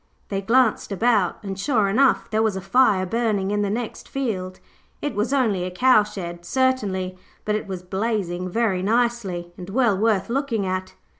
They glanced about and, sure enough, there was a fire burning in the next field. It was only a cowshed, certainly, but it was blazing very nicely, and well worth looking at.